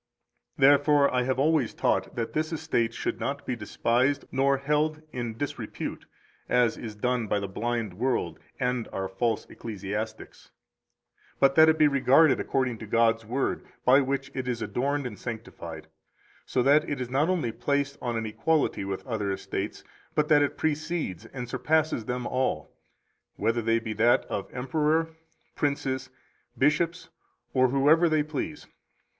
209 Therefore I have always taught that this estate should not be despised nor held in disrepute, as is done by the blind world and our false ecclesiastics, but that it be regarded according to God's Word, by which it is adorned and sanctified, so that it is not only placed on an equality with other estates, but that it precedes and surpasses them all, whether they be that of emperor, princes, bishops, or whoever they please.